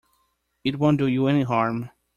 It won't do you any harm.